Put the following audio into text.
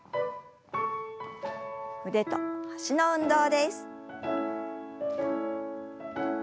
腕と脚の運動です。